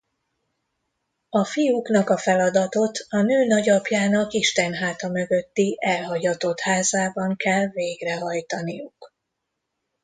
A fiúknak a feladatot a nő nagyapjának isten háta mögötti elhagyatott házában kell végrehajtaniuk.